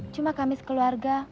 cuma kami sekeluarga